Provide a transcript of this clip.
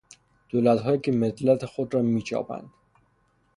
دولتهایی که ملت خود را میچاپند